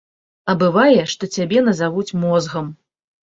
А бывае, што цябе назавуць мозгам.